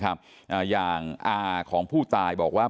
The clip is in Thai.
ตลอดทั้งคืนตลอดทั้งคืน